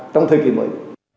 trong thời kỳ mới